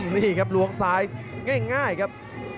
นี่ครับล้วงซ้ายง่ายครับ